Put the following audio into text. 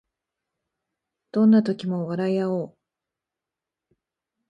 どんな時も笑いあおう